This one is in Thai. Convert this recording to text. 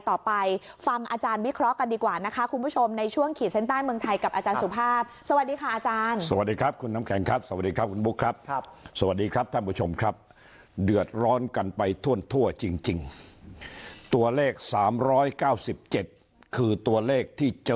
ต่อไปฟังอาจารย์วิเคราะห์กันดีกว่าว่านะคะคุณผู้ชมในช่วง